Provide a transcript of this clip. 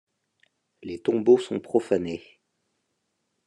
Les tombeaux sont profanés.